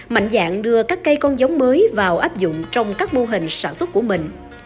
mạnh dạng đưa các cây con giống mới vào áp dụng trong các mô hình sản xuất của mình